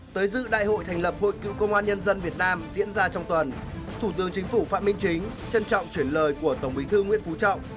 tới dự đại hội thành lập hội cựu công an nhân dân việt nam diễn ra trong tuần thủ tướng chính phủ phạm minh chính trân trọng chuyển lời của tổng bí thư nguyễn phú trọng